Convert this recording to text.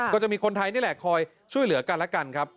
ก็จะมีคนไทยนี่แหละคอยช่วยเหลือกันและกันครับ